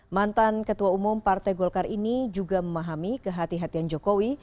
mantan ketua umum partai golkar ini juga memahami kehatian kehatian jokowi